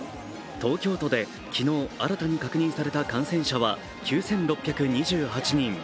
東京都で昨日新たに確認された感染者は９６２８人。